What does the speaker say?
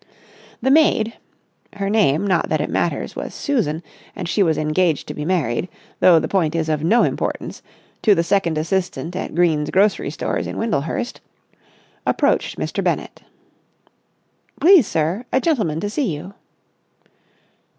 The maid—her name, not that it matters, was Susan, and she was engaged to be married, though the point is of no importance, to the second assistant at Green's Grocery Stores in Windlehurst—approached Mr. Bennett. "Please, sir, a gentleman to see you."